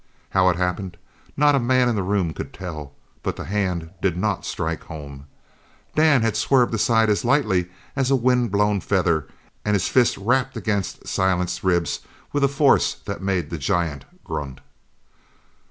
How it happened not a man in the room could tell, but the hand did not strike home. Dan had swerved aside as lightly as a wind blown feather and his fist rapped against Silent's ribs with a force that made the giant grunt.